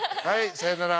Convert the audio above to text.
さよなら！